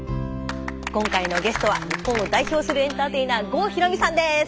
今回のゲストは日本を代表するエンターテイナー郷ひろみさんです。